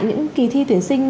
những kỳ thi tuyển sinh